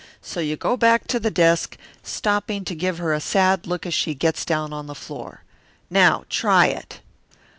So you go back to the desk, stopping to give her a sad look as she gets down on the floor. Now, try it."